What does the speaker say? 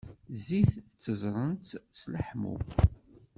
Zzit ttezzrent-t s leḥmu.